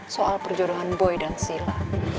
soal perjuangan boy dan sila